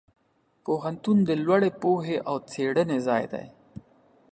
پوهنتون د لوړې پوهې او څېړنې ځای دی.